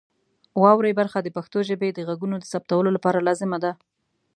واورئ برخه د پښتو ژبې د غږونو د ثبتولو لپاره لازمه ده.